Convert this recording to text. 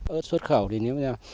ơt xuất khẩu thì nếu như